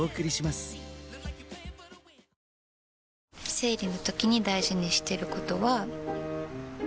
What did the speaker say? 生理のときに大事にしてることは。